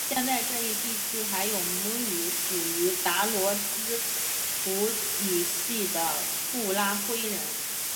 现在这一地区还有母语属于达罗毗荼语系的布拉灰人。